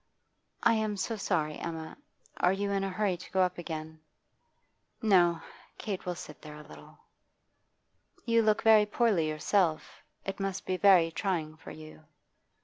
'I am so sorry, Emma. Are you in a hurry to go up again?' 'No. Kate will sit there a little.' 'You look very poorly yourself. It must be very trying for you.